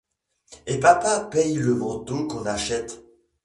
Et papa paye le manteau qu’on achète.